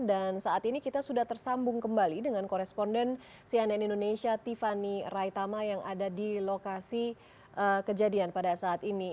dan saat ini kita sudah tersambung kembali dengan koresponden sianen indonesia tiffany raitama yang ada di lokasi kejadian pada saat ini